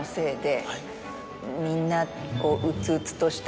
みんな。